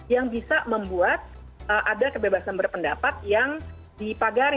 yang bisa membuat ada kebebasan berpendapat yang dipagari